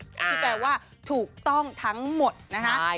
ที่แปลว่าถูกต้องทั้งหมดนะคะ